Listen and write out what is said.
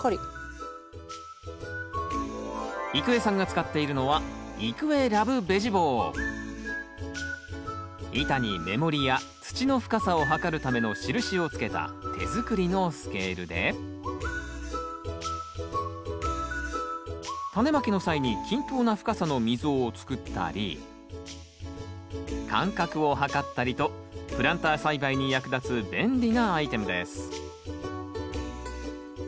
郁恵さんが使っているのは板に目盛りや土の深さを測るための印をつけた手作りのスケールでタネまきの際に均等な深さの溝を作ったり間隔を測ったりとプランター栽培に役立つ便利なアイテムです